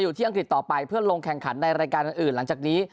อังกฤษต่อไปเพื่อลงแข่งขันในรายการอื่นหลังจากนี้